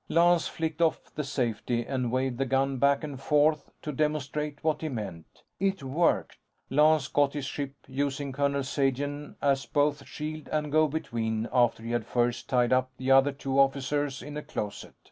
Lance flicked off the safety and waved the gun back and forth, to demonstrate what he meant. It worked. Lance got his ship, using Colonel Sagen as both shield and go between after he had first tied up the other two officers in a closet.